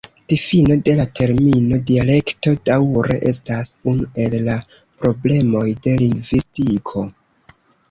Difino de la termino "dialekto" daŭre estas unu el la problemoj de lingvistiko.